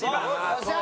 よっしゃ！